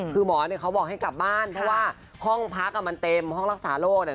คือหมอเนี่ยเขาบอกให้กลับบ้านเพราะว่าห้องพักมันเต็มห้องรักษาโรคเนี่ย